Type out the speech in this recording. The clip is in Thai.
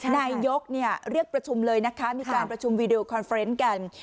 นายกเรียกประชุมเลยนะคะมีการประชุมวีดีโอคอนเฟรนต์กัน